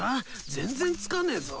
全然着かねえぞ。